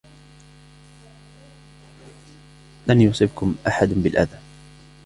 لن يصبكم أحد بالأذى.